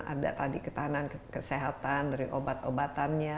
ada tadi ketahanan kesehatan dari obat obatannya